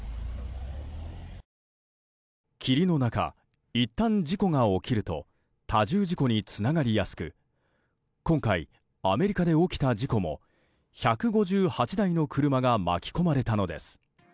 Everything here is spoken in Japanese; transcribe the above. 霧の中、いったん事故が起きると多重事故につながりやすく今回、アメリカで起きた事故も１５８台の車が巻き込まれたのです。